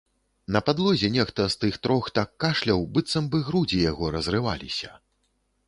На падлозе нехта з тых трох так кашляў, быццам бы грудзі яго разрываліся.